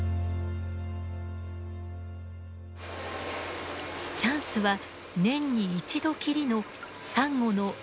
チャンスは年に一度きりのサンゴの一斉産卵の時。